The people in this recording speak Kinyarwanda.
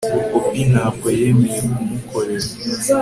obi ntabwo yemeye kumukorera